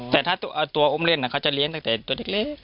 แต่ถ้าตัวอุ้มเล่นเขาจะเลี้ยงตั้งแต่ตัวเล็ก